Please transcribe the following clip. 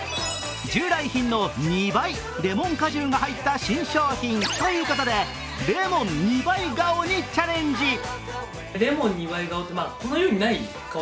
従来品の２倍レモン果汁が入った新商品ということでレモン２倍顔にチャレンジ。